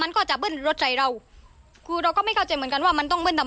อีกคนนึงที่สนุกก็คือพี่เบนชราธิศค่ะ